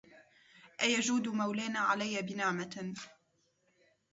أيجود مولانا علي بنعمة